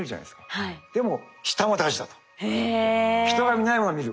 「人が見ないものを見る」